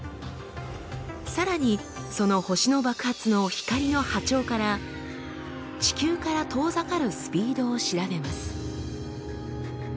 さらにその星の爆発の光の波長から地球から遠ざかるスピードを調べます。